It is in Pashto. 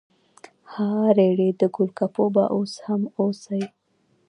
ها ریړۍ د ګول ګپو به اوس هم اوسي؟